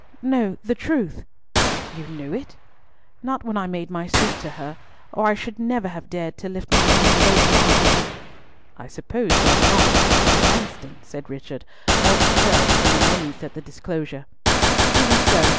"No, the truth." "You knew it?" "Not when I made my suit to her, or I should never have dared to lift my eyes so far." "I suppose your knowledge came from Langston," said Richard, more perturbed than amazed at the disclosure. "Even so.